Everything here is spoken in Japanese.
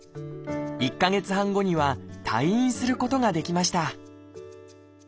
１か月半後には退院することができました。